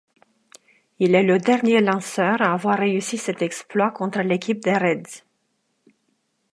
Il est le dernier lanceur à avoir réussi cet exploit contre l'équipe des Reds.